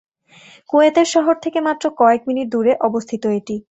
কুয়েতের শহর থেকে মাত্র কয়েক মিনিট দুরে অবস্থিত এটি।